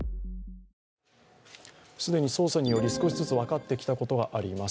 既に捜査により、少しずつ分かってきたことがあります。